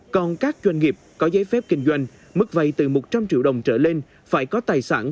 còn các doanh nghiệp có giấy phép kinh doanh mức vay từ một trăm linh triệu đồng trở lên phải có tài sản